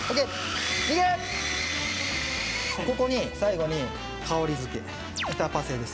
ここに最後に香り付けイタパセです